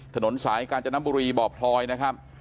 ถนนสายกาญจนบุรีบ่อพลอยนะครับ